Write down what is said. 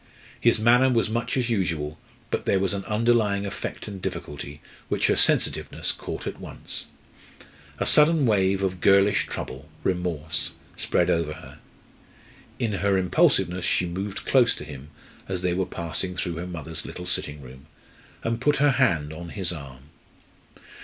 His manner was much as usual, but there was an underlying effort and difficulty which her sensitiveness caught at once. A sudden wave of girlish trouble remorse swept over her. In her impulsiveness she moved close to him as they were passing through her mother's little sitting room, and put her hand on his arm.